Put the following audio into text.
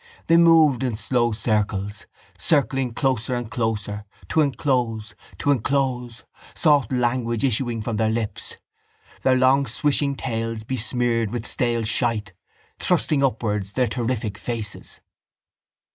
They moved in slow circles, circling closer and closer to enclose, to enclose, soft language issuing from their lips, their long swishing tails besmeared with stale shite, thrusting upwards their terrific faces...